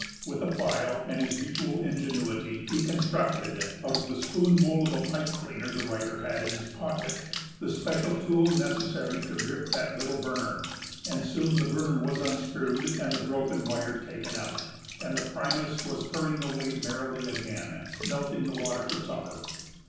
With a file, and his usual ingenuity, he constructed, out of the spoon bowl of a pipe cleaner the writer had in his pocket, the special tool necessary to grip that little burner, and soon the burner was unscrewed and the broken wire taken out and the primus was purring away merrily again, melting the water for supper.